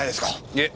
いえ